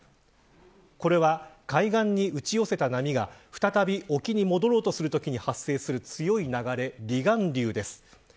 これは、海岸に打ち寄せた波が再び沖に戻るときに発生する強い流れ離岸流です。